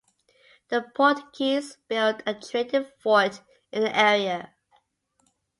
The Portuguese built a trading fort in the area.